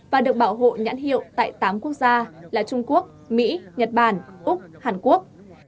và được bảo hộ nhãn hiệu tại tám quốc gia là trung quốc mỹ nhật bản úc hàn quốc